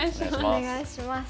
お願いします。